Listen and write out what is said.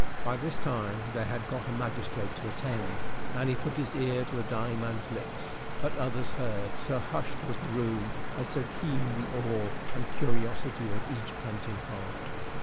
By this time they had got a magistrate to attend, and he put his ear to the dying man's lips; but others heard, so hushed was the room and so keen the awe and curiosity of each panting heart.